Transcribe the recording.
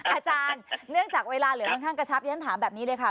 อาจารย์เนื่องจากเวลาเหลือค่อนข้างกระชับที่ฉันถามแบบนี้เลยค่ะ